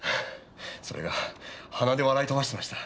それが鼻で笑い飛ばしていました。